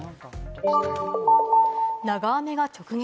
長雨が直撃！